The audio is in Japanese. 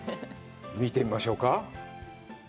見てみましょうか。